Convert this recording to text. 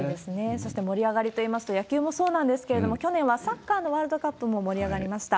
そして盛り上がりといいますと、野球もそうなんですけれども、去年はサッカーのワールドカップも盛り上がりました。